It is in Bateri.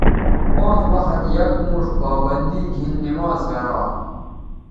پانز وخت یک موݜ پابندی گھن نمازگرا